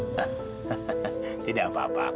hahaha tidak apa apa